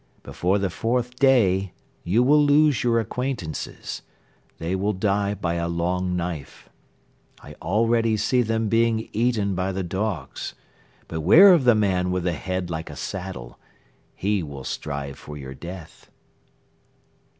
... Before the fourth day you will lose your acquaintances. They will die by a long knife. I already see them being eaten by the dogs. Beware of the man with a head like a saddle. He will strive for your death."